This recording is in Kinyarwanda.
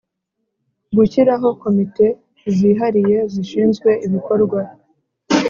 Gushyiraho komite zihariye zishinzwe ibikorwa